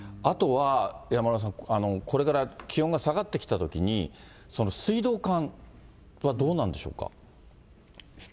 あとは、山村さん、これから気温が下がってきたときに、水道管はどうなんでしょうか。